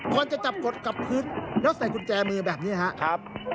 ก่อนจะจับกดกับพื้นแล้วใส่กุญแจมือแบบนี้ครับ